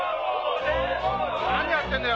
「何やってんだよ」